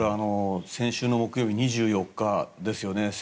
先週の木曜日、２４日ですよね